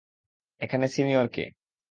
এখানে সিনিয়র কে?